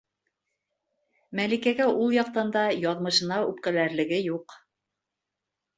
Мәликәгә ул яҡтан да яҙмышына үпкәләрлеге юҡ.